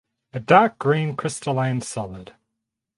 A dark green crystalline solid.